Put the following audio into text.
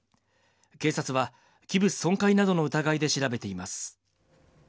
警察は器物損壊などの疑いで調べています。